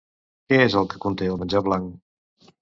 Què és el que conté el menjar blanc?